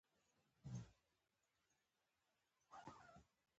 هغې د ښایسته خاطرو لپاره د تاوده ګلونه سندره ویله.